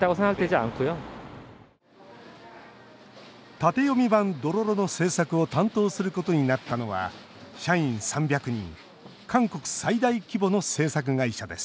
縦読み版「どろろ」の制作を担当することになったのは社員３００人韓国最大規模の制作会社です